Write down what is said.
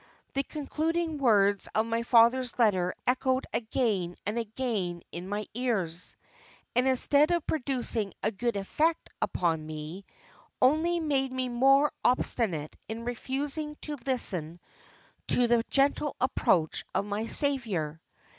The concluding words of my father's letter echoed again and again in my ears, and instead of producing a good effect upon me, only made me more obstinate in refusing to listen to the gentle appeals of my Saviour.